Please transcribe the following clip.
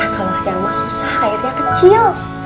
kalau siama susah airnya kecil